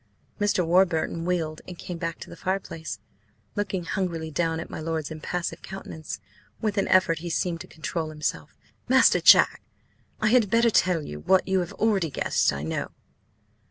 Mr. Warburton wheeled and came back to the fireplace, looking hungrily down at my lord's impassive countenance. With an effort he seemed to control himself. "Master Jack, I had better tell you what you have already guessed. I know."